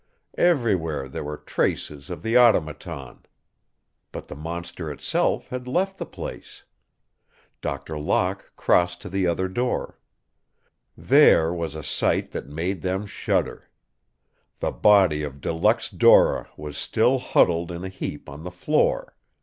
Everywhere there were traces of the Automaton. But the monster itself had left the place. Doctor Locke crossed to the other door. There was a sight that made them shudder. The body of De Luxe Dora was still huddled in a heap on the floor.